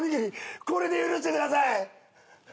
これで許してください。